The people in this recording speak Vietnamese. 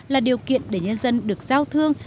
là điều kiện để nhân dân được giao thương